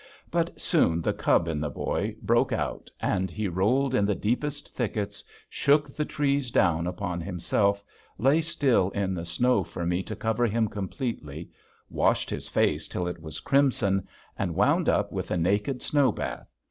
But soon the cub in the boy broke out and he rolled in the deepest thickets, shook the trees down upon himself, lay still in the snow for me to cover him completely, washed his face till it was crimson, and wound up with a naked snow bath.